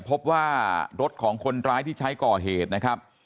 พบว่ารถของคนร้ายที่ใช้ก่อเหตุนะครับ